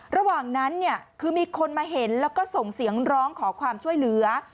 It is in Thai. ระหว่างนั้นเนี่ยคือมีคนมาเห็นแล้วก็ส่งเสียงร้องขอความช่วยเหลือ